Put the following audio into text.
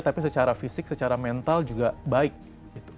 tapi secara fisik secara mental juga baik gitu